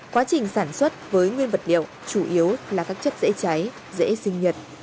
quá trình sản xuất với nguyên vật liệu chủ yếu là các chất dễ cháy dễ sinh nhật